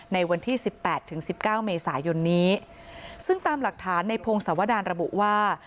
ในวันที่สิบแปดถึงสิบเก้าเมษายนนี้ซึ่งตามหลักฐานในพงศวดารระบุว่า